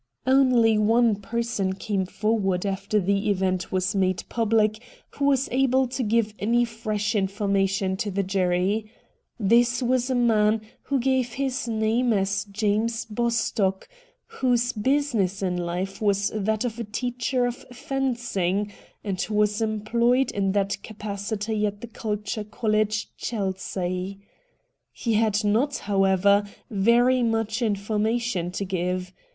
Only one person came forward after the event was made piibhc who was able to give any fresh information to the jury. This was a man who crave his name as James Bostock, whose business in life was that of a teacher of fencing, and who was employed in that capacity at the Culture College, Chelsea. He had not, however, very much information to give.